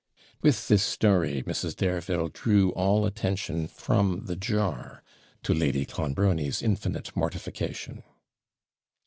With this story Mrs. Dareville drew all attention from the jar, to Lady Clonbrony's infinite mortification.